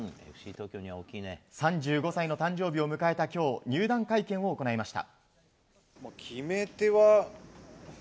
３５歳の誕生日を迎えた今日入団会見を行いました。